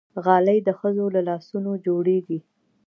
غالۍ د ښځو له لاسونو جوړېږي.